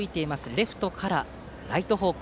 レフトからライト方向。